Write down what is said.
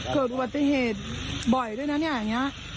เกิดอุบัติเหตุบ่อยด้วยนะเนี่ย